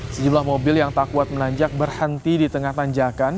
sejumlah mobil yang tak kuat menanjak berhenti di tengah tanjakan